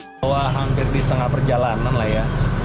saya bawa hampir di setengah perjalanan lah ya